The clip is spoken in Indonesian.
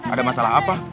ada masalah apa